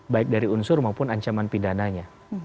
baik dari unsur maupun ancaman pidananya